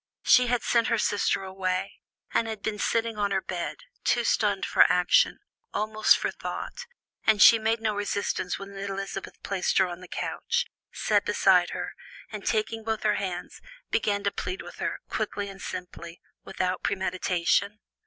She had sent her sister away, and had been sitting on her bed, too stunned for action, almost for thought, and she made no resistance when Elizabeth placed her on the couch, sat beside her, and taking both her hands, began to plead with her, quickly and simply, without premeditation.